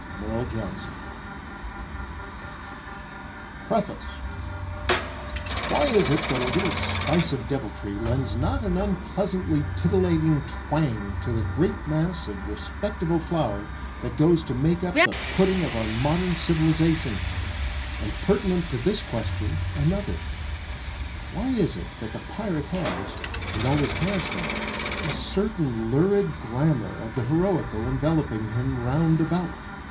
MERLE JOHNSON. PREFACE Why is it that a little spice of deviltry lends not an unpleasantly titillating twang to the great mass of respectable flour that goes to make up the pudding of our modern civilization? And pertinent to this question another Why is it that the pirate has, and always has had, a certain lurid glamour of the heroical enveloping him round about?